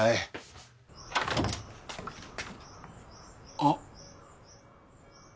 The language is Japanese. あっ。